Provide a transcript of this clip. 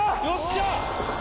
よっしゃ！